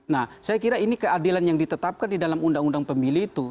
nah saya kira ini keadilan yang ditetapkan di dalam undang undang pemilih itu